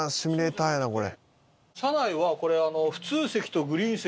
車内はこれあの。